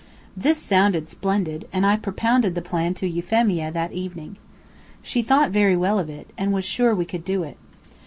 This sounded splendid, and I propounded the plan to Euphemia that evening. She thought very well of it, and was sure we could do it.